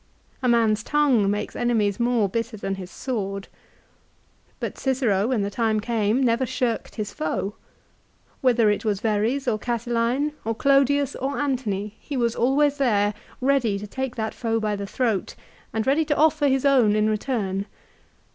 A man's tongue makes enemies more bitter than his sword. But Cicero, when the time came, never shirked his foe. Whether it was Verres or Catiline, or Clodius or Antony, he was always there, ready to take that foe by the throat, and ready to offer his own in return.